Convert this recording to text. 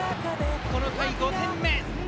この回５点目。